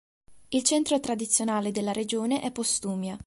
Il centro tradizionale della regione è Postumia.